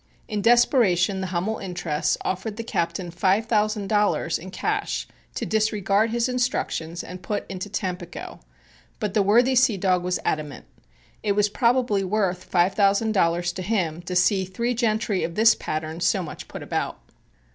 In desperation the Hummel interests offered the captain five thousand dollars in cash to disregard his instructions and put into Tampico, but the worthy sea dog was adamant. It was probably worth five thousand dollars to him to see three gentry of this pattern so much put about.